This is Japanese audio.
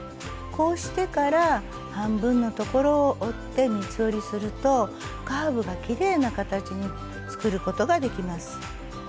こうしてから半分の所を折って三つ折りするとカーブがきれいな形に作ることができます。